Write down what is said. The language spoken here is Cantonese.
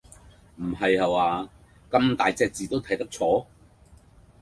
唔係下話，咁大隻字都睇得錯？